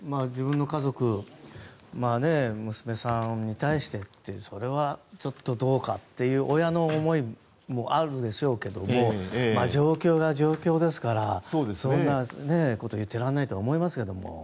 自分の家族娘さんに対してってそれはちょっとどうかという親の思いもあるでしょうけど状況が状況ですからそんなことを言ってられないと思いますけども。